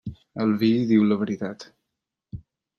El vi diu la veritat.